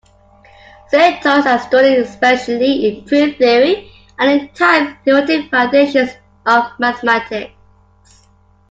Setoids are studied especially in proof theory and in type-theoretic foundations of mathematics.